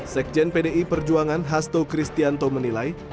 sekjen pdi perjuangan hasto kristianto menilai